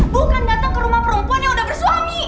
bukan datang ke rumah perempuan yang udah bersuami